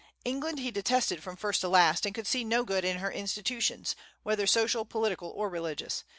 England he detested from first to last, and could see no good in her institutions, whether social, political, or religious.